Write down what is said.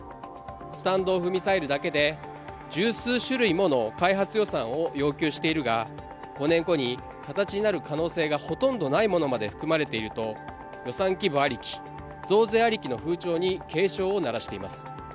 スタンド・オフ・ミサイルだけで十数種類もの開発予算を要求しているが５年後に形になる可能性がほとんどないものまで含まれていると、予算規模ありき、増税ありきの風潮に警鐘を鳴らしています。